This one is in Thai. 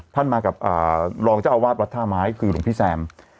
มากับรองเจ้าอาวาสวัดท่าไม้คือหลวงพี่แซม